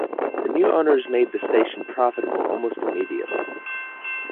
The new owners made the station profitable almost immediately.